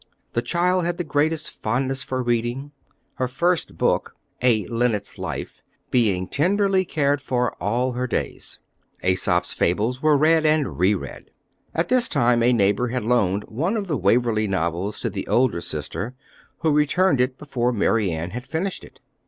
The child had the greatest fondness for reading, her first book, a Linnet's Life, being tenderly cared for all her days. Aesop's Fables were read and re read. At this time a neighbor had loaned one of the Waverley novels to the older sister, who returned it before Mary Ann had finished it.